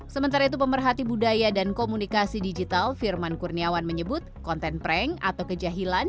sementara itu pemerhati budaya dan komunikasi digital firman kurniawan menyebut konten prank atau kejahilan